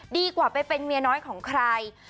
ดีกว่าไปเป็นเมียน้อยของใคร